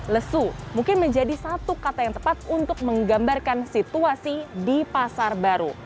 lesu mungkin menjadi satu kata yang tepat untuk menggambarkan situasi di pasar baru